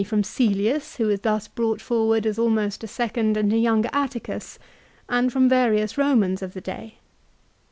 165 from Cselius who is thus brought forward as almost a second and a younger Atticus, and from various Eomans of the day.